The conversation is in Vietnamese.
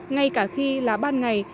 ngay cả khi là ban ngày